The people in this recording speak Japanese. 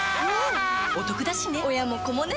おトクだしね